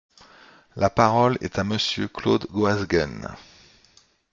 La parole est à Monsieur Claude Goasguen.